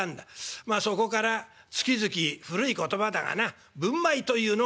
まあそこから月々古い言葉だがな分米というのが来る」。